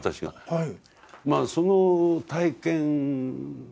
はい。